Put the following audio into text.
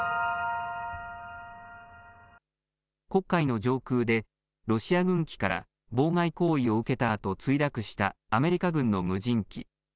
黒海の上空でロシア軍機から妨害行為を受けたあと墜落したアメリカ軍の無人機。